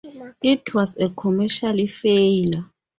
It was a commercial failure.